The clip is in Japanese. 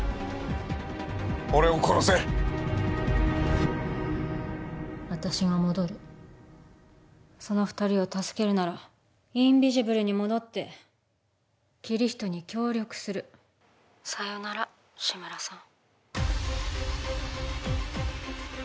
俺を殺せ私が戻るその２人を助けるならインビジブルに戻ってキリヒトに協力するさようなら志村さん